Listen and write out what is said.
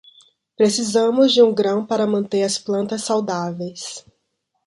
Precisamos de um grão para manter as plantas saudáveis.